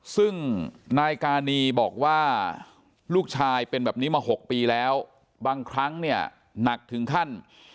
ซึ่งนายกานีบอกว่าลูกชายเป็นแบบนี้มา๖ปีแล้วบางครั้งเนี่ยหนักถึงขั้น